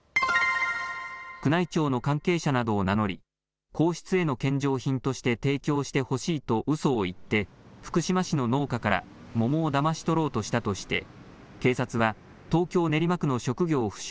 宮内庁の関係者などを名乗り皇室への献上品として提供してほしいとうそを言って、福島市の農家から桃をだまし取ろうとしたとして警察は東京、練馬区の職業不詳